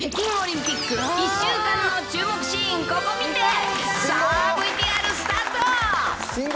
北京オリンピック１週間の注目シーンココ見て！